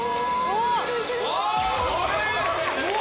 うわ